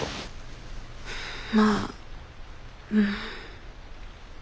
まあうん。